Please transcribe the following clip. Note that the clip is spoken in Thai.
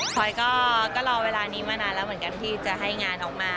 พลอยก็รอเวลานี้มานานแล้วเหมือนกันที่จะให้งานออกมา